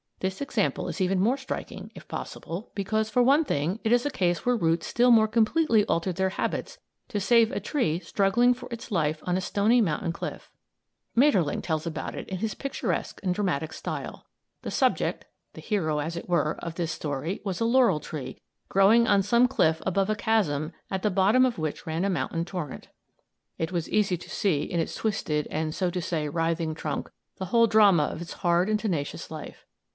This example is even more striking, if possible, because, for one thing, it is a case where roots still more completely altered their habits to save a tree struggling for its life on a stony mountain cliff. Maeterlinck tells about it in his picturesque and dramatic style. The subject the hero, as it were of this story was a laurel tree growing on some cliff above a chasm at the bottom of which ran a mountain torrent. "It was easy to see in its twisted and, so to say, writhing trunk, the whole drama of its hard and tenacious life.